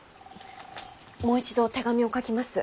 もう一度手紙を書きます。